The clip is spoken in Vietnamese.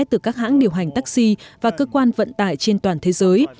từ các hãng điều hành taxi và cơ quan vận tải trên toàn thế giới